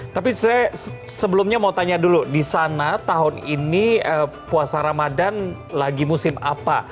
tapi saya sebelumnya mau tanya dulu di sana tahun ini puasa ramadan lagi musim apa